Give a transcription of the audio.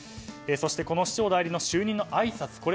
そして、この市長代理の就任のあいさつ